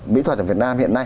mỹ thuật ở việt nam hiện nay